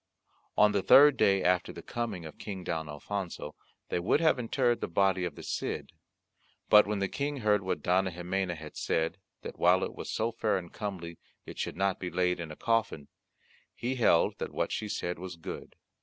On the third day after the coming of King Don Alfonso, they would have interred the body of the Cid, but when the King heard what Dona Ximena had said, that while it was so fair and comely it should not be laid in a coffin, he held that what she said was good.